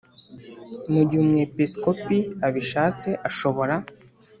Mugihe Umwepisikopi abishatse ashobora